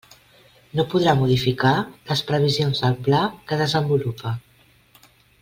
No podrà modificar les previsions del pla que desenvolupa.